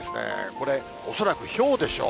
これ、恐らく、ひょうでしょう。